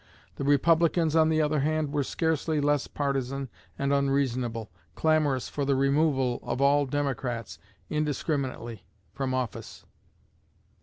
The Republicans, on the other hand, were scarcely less partisan and unreasonable ... clamorous for the removal of all Democrats, indiscriminately, from office."